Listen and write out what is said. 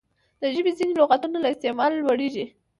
د ژبي ځیني لغاتونه له استعماله لوړیږي.